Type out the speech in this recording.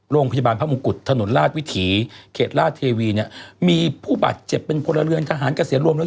โรงพยาบาลพระมงกุฎถนนราชวิถีเขตราชเทวีเนี่ยมีผู้บาดเจ็บเป็นพลเรือนทหารเกษียณรวมแล้ว